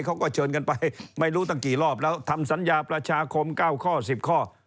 เขาก็เชิญกันไปไม่รู้ตั้งกี่รอบแล้วทำสัญญาประชาคม๙ข้อ๑๐ข้อ